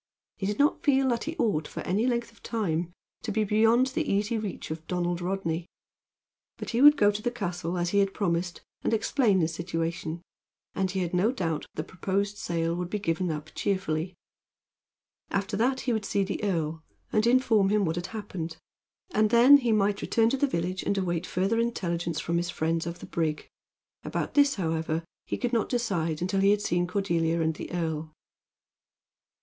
He did not feel that he ought, for any length of time, to be beyond easy reach of Donald Rodney. But he would go to the castle, as he had promised, and explain the situation; and he had no doubt that the proposed sail would be given up cheerfully. After that he would see the earl, and inform him what had happened; and then he might return to the village and await further intelligence from his friends of the brig. About this, however, he could not decide until he had seen Cordelia and the earl.